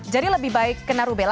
jadi lebih baik ke narubela